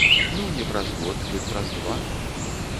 Ну не праз год, дык праз два.